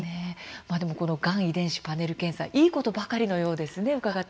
がん遺伝子パネル検査いいことばかりのようですね。